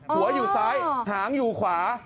หัวอยู่ซ้ายหางอยู่ขวา